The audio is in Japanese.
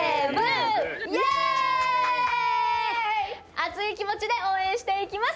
熱い気持ちで応援していきます。